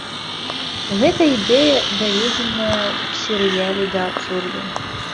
Гэта ідэя даведзеная ў серыяле да абсурду.